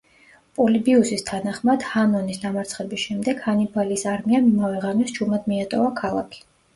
პოლიბიუსის თანახმად ჰანონის დამარცხების შემდეგ, ჰანიბალის არმიამ იმავე ღამეს ჩუმად მიატოვა ქალაქი.